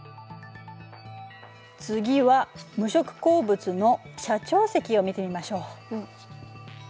次は無色鉱物の斜長石を見てみましょう。